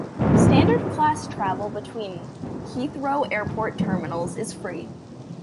Standard-class travel between Heathrow Airport terminals is free.